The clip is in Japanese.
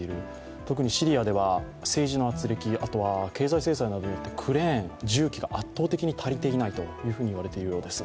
特にシリアでは政治のあつれき、あとは経済制裁によってクレーン、重機が圧倒的に足りていないと言われているようです。